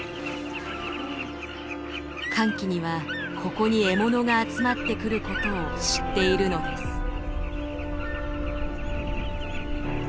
乾季にはここに獲物が集まってくることを知っているのです。